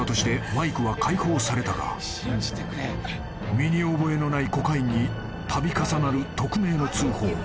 ［身に覚えのないコカインに度重なる匿名の通報］